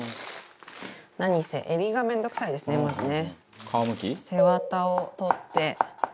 何せエビが面倒くさいですねまずね。